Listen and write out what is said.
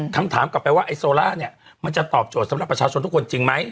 คำถามกลับไปว่าไอ้โซล่าเนี่ยมันจะตอบโจทย์สำหรับประชาชนทุกคนจริงไหม